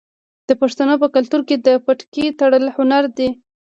د پښتنو په کلتور کې د پټکي تړل هنر دی.